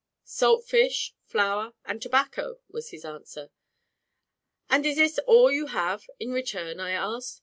"Salt fish, flour, and tobacco," was his answer. "And is this all you have in return?" I asked.